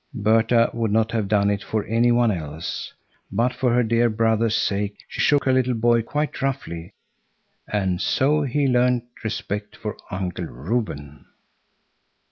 Berta would not have done it for any one else, but for her dear brother's sake she shook her little boy quite roughly. And so he learned respect for Uncle Reuben.